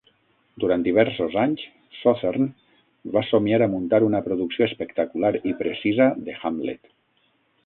Durant diversos anys, Sothern va somiar a muntar una producció espectacular i precisa de "Hamlet".